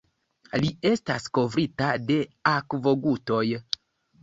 Li estas kovrita de akvogutoj.